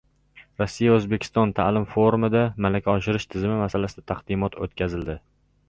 Rossiya-O`zbekiston ta`lim forumida malaka oshirish tizimi masalasida taqdimot o`tkazildi